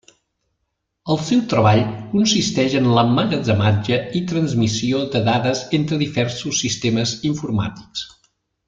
El seu treball consisteix en l’emmagatzematge i transmissió de dades entre diversos sistemes informàtics.